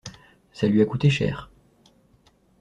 Ça lui a coûté cher.